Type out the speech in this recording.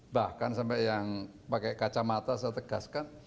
bahkan sampai yang pakai kacamata saya tegaskan